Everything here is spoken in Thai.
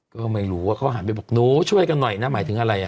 ก็ไม่รู้ว่าเขาหันไปบอกหนูช่วยกันหน่อยนะหมายถึงอะไร